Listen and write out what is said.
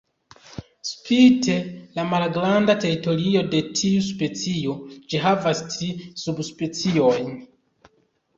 Spite la malgranda teritorio de tiu specio, ĝi havas tri subspeciojn.